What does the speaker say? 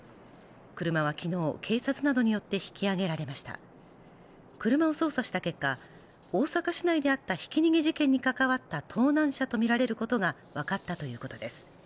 車は昨日警察などによって引き上げられました車を捜査した結果大阪市内であったひき逃げ事件に関わった盗難車とみられることが分かったということです